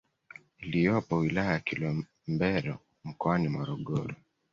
iliyopo wilaya ya Kilombero mkoani Morogoro